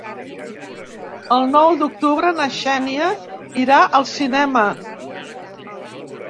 El nou d'octubre na Xènia irà al cinema.